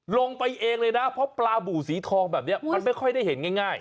ลงไปเองเลยนะเพราะปลาบูสีทองแบบนี้มันไม่ค่อยได้เห็นง่าย